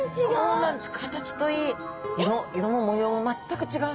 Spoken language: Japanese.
そうなんです。